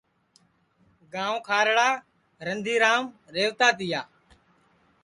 گانٚو کھارڑارندھیرام ریہوتا تِیا